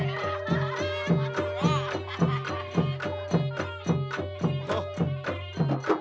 มะพร้าวอ่อนมะพร้าวอ่อน